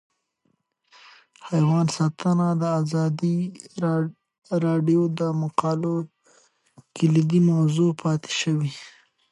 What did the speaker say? حیوان ساتنه د ازادي راډیو د مقالو کلیدي موضوع پاتې شوی.